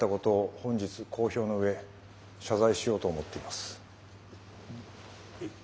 本日公表の上謝罪しようと思っています。